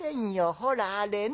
ほらあれね